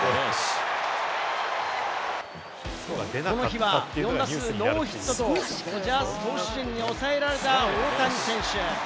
この日は４打数ノーヒットとドジャース投手陣におさえられた大谷選手。